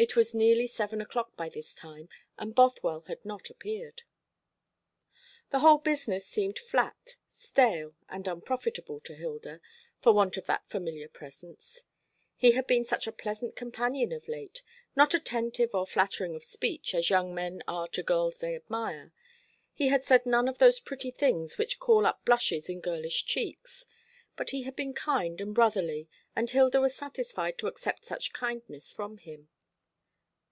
It was nearly seven o'clock by this time, and Bothwell had not appeared. The whole business seemed flat, stale, and unprofitable to Hilda, for want of that familiar presence. He had been such a pleasant companion of late not attentive or flattering of speech, as young men are to girls they admire. He had said none of those pretty things which call up blushes in girlish cheeks; but he had been kind and brotherly, and Hilda was satisfied to accept such kindness from him.